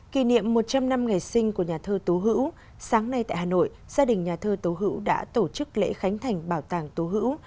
kỷ niệm một trăm linh năm ngày sinh của nhà thơ tố hữu sáng nay tại hà nội gia đình nhà thơ tố hữu đã tổ chức lễ khánh thành bảo tàng tố hữu